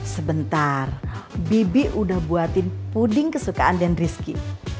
sebentar bibi udah buatin puding kesukaan dan rizky